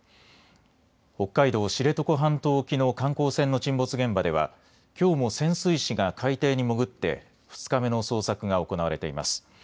北海道・知床半島沖の観光船の沈没現場ではきょうも潜水士が海底に潜って２日目の捜索が行われています。